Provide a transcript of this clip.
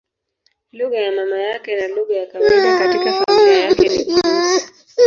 Lugha ya mama yake na lugha ya kawaida katika familia yake ni Kirusi.